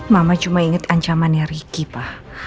mama cuma inget ancamannya ricky pak